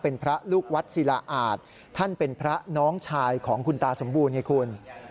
เป็นพระลูกวัดศิลาอาจท่านเป็นพระน้องชายของคุณตาสมบูรณไงคุณ